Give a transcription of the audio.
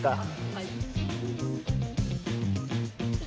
はい。